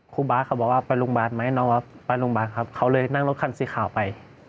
ครูบาสเขาบอกว่าไปโรงพยาบาลไหมน้องครับไปโรงพยาบาลครับเขาเลยนั่งรถคันสีขาวไป